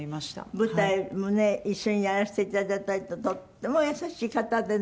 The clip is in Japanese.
舞台もね一緒にやらせていただいたりとっても優しい方でね。